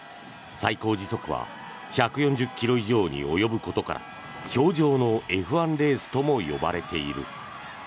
最高時速は１４０ｋｍ以上に及ぶことから氷上のＦ１レースとも呼ばれている。